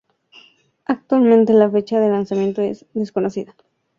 Actualmente la fecha de lanzamiento es desconocida.